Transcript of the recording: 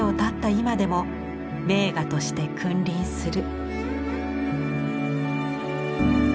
今でも名画として君臨する。